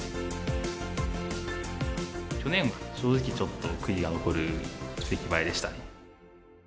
去年は正直ちょっと悔いが残る出来栄えでしたね。